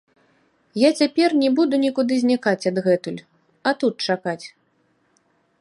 Я цяпер не буду нікуды знікаць адгэтуль, а тут чакаць.